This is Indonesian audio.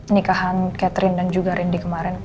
nikahan catherine dan juga randy kemarin